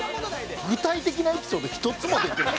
具体的なエピソード１つもできてない。